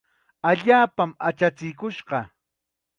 Allaapam achachikush kaa.